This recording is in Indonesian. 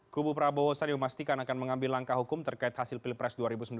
kubu prabowo sandi memastikan akan mengambil langkah hukum terkait hasil pilpres dua ribu sembilan belas